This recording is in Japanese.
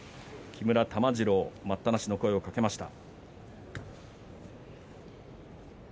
木村玉治郎、待ったなしの声をかけました。